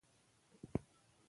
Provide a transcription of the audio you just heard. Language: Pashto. مېلې خلک یو هدف ته راټولوي.